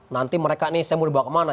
nanti mereka nih saya mau dibawa kemana